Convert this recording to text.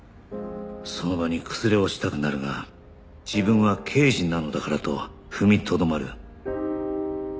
その場に崩れ落ちたくなるが自分は刑事なのだからと踏みとどまる